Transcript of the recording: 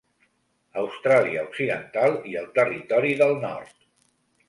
Austràlia Occidental i el Territori del Nord.